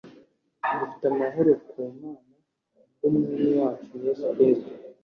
dufite amahoro ku Mana kubw’Umwami wacu Yesu Kristo,